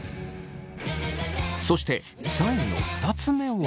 そして３位の２つ目は。